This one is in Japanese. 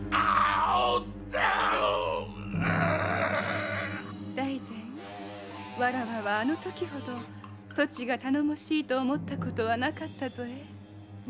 〕大膳わらわはあのときほどそちが頼もしいと思ったことはなかったぞえ。